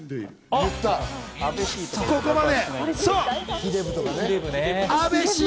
ここまで。